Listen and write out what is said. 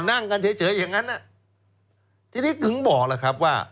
นั่งกันเฉยอย่างนั้นทีนี้ถึงบอกแล้วครับว่า